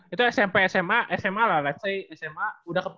itu smp sma sma lah let s say sma